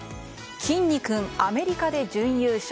きんに君、アメリカで準優勝。